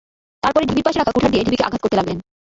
তার পরে ঢিবির পাশে রাখা কুঠার দিয়ে ঢিবিকে আঘাত করতে লাগলেন।